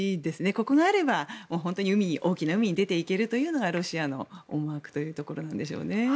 ここがあれば本当に大きな海に出ていけるというのがロシアの思惑というところなんでしょうね。